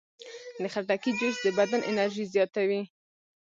د خټکي جوس د بدن انرژي زیاتوي.